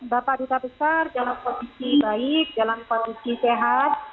bapak duta besar dalam kondisi baik dalam kondisi sehat